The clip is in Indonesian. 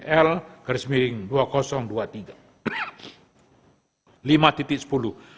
majlis kormatan memandang perlu untuk memberikan teguran tertulis kepada hakim terlapor dan kesopanan angka satu dan angka dua sabta karsa utama